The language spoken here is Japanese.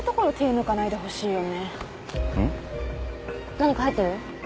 何か入ってる？